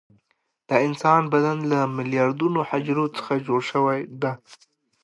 د انسان بدن له میلیاردونو حجرو څخه جوړ شوى ده.